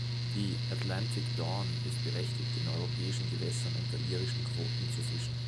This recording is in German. Die "Atlantic Dawn" ist berechtigt, in europäischen Gewässern unter irischen Quoten zu fischen.